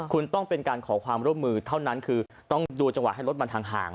คุณต้องเป็นการขอความร่วมมือเท่านั้นคือต้องดูจังหวะให้รถมันห่าง